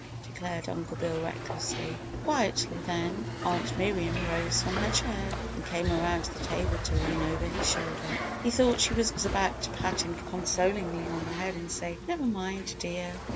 declared Uncle Bill, recklessly. Quietly then, Aunt Miriam rose from her chair and came around the table to lean over his shoulder. He thought she was about to pat him consolingly on the head and say, "Never mind, dear."